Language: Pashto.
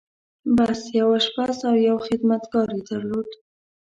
بس! يو آشپز او يو خدمتګار يې درلود.